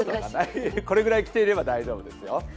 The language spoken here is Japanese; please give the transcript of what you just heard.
これぐらい着ていれば大丈夫ですよ。